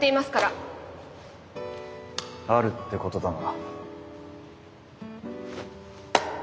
あるってことだな。